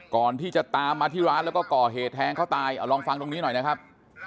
ก่อนที่จะตามมาที่ร้านแล้วก็ก่อเหตุแทงเขาตายเอาลองฟังตรงนี้หน่อยนะครับ